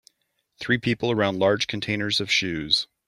Three people around large containers of shoes.